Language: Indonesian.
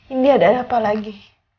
ini ada apa lagi